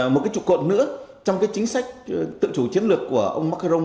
một cái trục cột nữa trong cái chính sách tự chủ chiến lược của ông macron